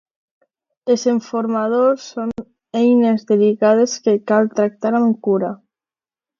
Els enformadors són eines delicades que cal tractar amb cura.